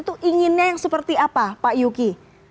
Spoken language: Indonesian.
itu inginnya yang seperti apa pak yuki